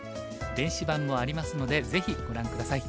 電子版もありますのでぜひご覧下さい。